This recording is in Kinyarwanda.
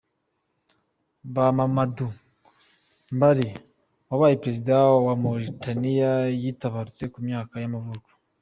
Ba Mamadou Mbaré wabaye perezida wa wa Mauritania yaratabarutse, ku myaka y’amavuko.